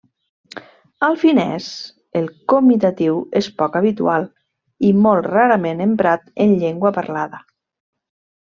Al finès, el comitatiu és poc habitual i molt rarament emprat en llengua parlada.